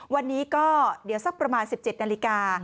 วันนี้ก็เดี๋ยวสักประมาณ๑๗นาฬิกา